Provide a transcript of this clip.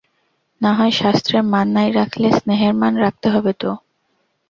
নাহয় শাস্ত্রের মান নাই রাখলে, স্নেহের মান রাখতে হবে তো।